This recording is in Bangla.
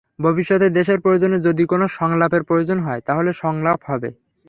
ভবিষ্যতে দেশের প্রয়োজনে যদি কোনো সংলাপের প্রয়োজন হয়, তাহলে সংলাপ হবে।